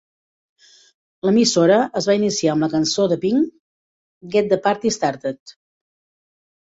L'emissora es va iniciar amb la cançó de Pink "Get The Party Started".